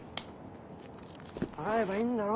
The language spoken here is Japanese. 払えばいいんだろ